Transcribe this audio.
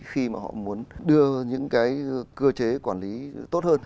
khi mà họ muốn đưa những cái cơ chế quản lý tốt hơn